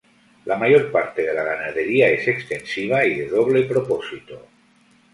La mayor parte de la ganadería es extensiva y de doble propósito.